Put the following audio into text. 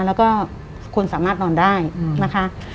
แล้วก็คุณสามารถนอนได้นะคะ